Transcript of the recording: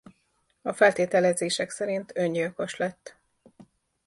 A feltételezések szerint öngyilkos lett.